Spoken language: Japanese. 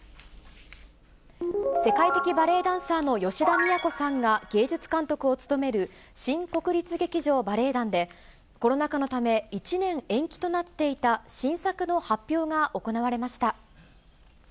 世界的バレエダンサーの吉田都さんが、芸術監督を務める新国立劇場バレエ団で、コロナ禍のため１年延期となっていた新作の発表が行われました。